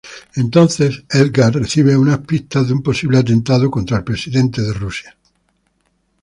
Entonces, Edgar recibe unas pistas de un posible atentado contra el Presidente de Rusia.